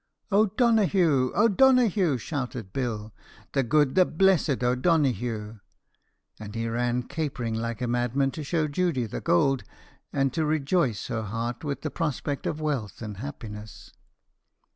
"O'Donoghue, O'Donoghue!" shouted Bill; "the good, the blessed O'Donoghue!" and he ran capering like a madman to show Judy the gold, and to rejoice her heart with the prospect of wealth and happiness.